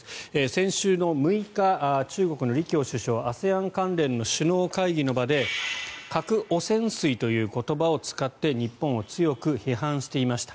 先週の６日、中国の李強首相ＡＳＥＡＮ関連の首脳会議の場で核汚染水という言葉を使って日本を強く批判していました。